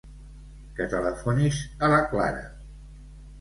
Que telefonis a la Clara.